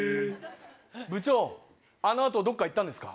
部長、あのあとどっか行ったんですか？